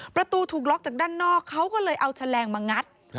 ประตูถูกล็อกจากด้านนอกเขาก็เลยเอาแฉลงมางัด